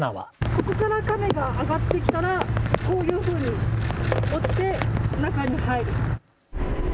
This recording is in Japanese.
ここらカメが上がってきたら、こういうふうに落ちて中に入る。